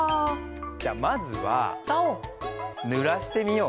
じゃまずはぬらしてみよう。